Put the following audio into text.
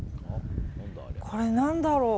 これ、何だろう。